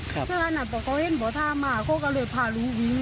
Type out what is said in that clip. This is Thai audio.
ครับเข้าไปในป่าเหรอ